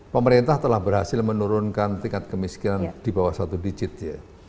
pemerintah telah berhasil menurunkan tingkat kemiskinan di bawah satu digit ya